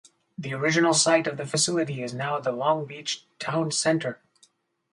The original site of the facility is now the Long Beach Towne Center.